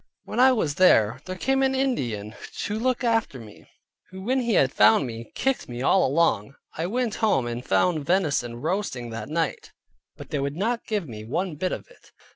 When I was there, there came an Indian to look after me, who when he had found me, kicked me all along. I went home and found venison roasting that night, but they would not give me one bit of it.